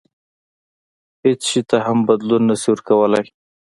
هیڅ شي ته هم بدلون نه شي ورکولای.